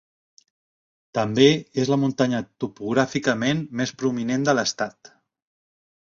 També és la muntanya topogràficament més prominent de l"estat.